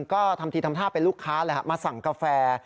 ก็ทำทีทำท่าเป็นลูกค้ามาสั่งกาแฟ